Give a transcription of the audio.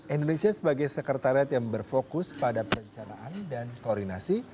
indonesia sebagai sekretariat yang berfokus pada perencanaan dan koordinasi